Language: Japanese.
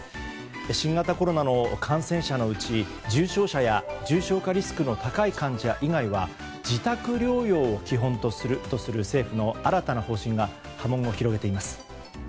新型コロナの感染者のうち重症者や重症化リスクの高い患者以外は自宅療養を基本とする政府の新たな方針が波紋を広げています。